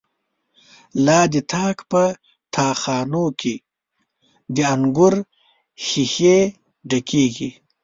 لا د تاک په تا خانو کی، دانګور ښيښی ډکيږی